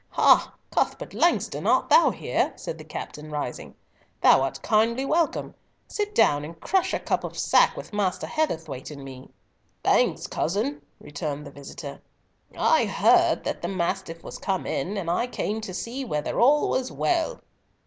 "Ha, Cuthbert Langston, art thou there?" said the captain, rising. "Thou art kindly welcome. Sit down and crush a cup of sack with Master Heatherthwayte and me." "Thanks, cousin," returned the visitor, "I heard that the Mastiff was come in, and I came to see whether all was well."